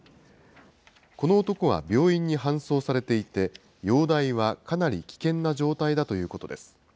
この男は病院に搬送されていて、容体はかなり危険な状態だということです。